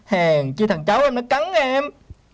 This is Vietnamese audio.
hèn chi thằng cháu em nó cắn em